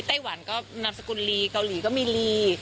ไต้หวันก็นามสกุลลีเกาหลีก็มีลี